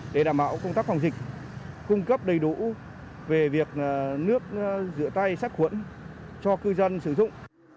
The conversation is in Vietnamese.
để đảm bảo công tác phòng dịch cung cấp đầy đủ về việc nước rửa tay sát khuẩn cho cư dân sử dụng